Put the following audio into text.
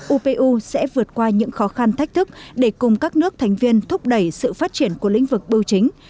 upu sẽ vượt qua những khó khăn thách thức để cùng các nước thành viên thúc đẩy sự phát triển của lĩnh vực bưu chính